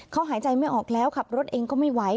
เขาหายใจไม่ออกแล้วขับรถเองก็ไม่ไหว